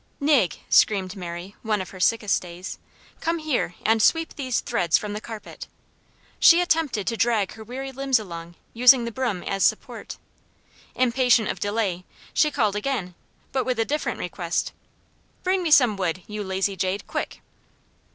"Nig!" screamed Mary, one of her sickest days, "come here, and sweep these threads from the carpet." She attempted to drag her weary limbs along, using the broom as support. Impatient of delay, she called again, but with a different request. "Bring me some wood, you lazy jade, quick."